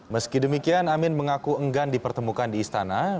meski demikian amin mengaku enggan dipertemukan di istana